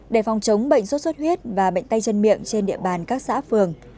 để phòng chống bệnh sốt xuất huyết và bệnh tay chân miệng trên địa bàn các xã phường